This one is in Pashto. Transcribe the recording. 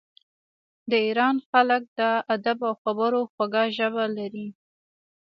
د ایران خلک د ادب او خبرو خوږه ژبه لري.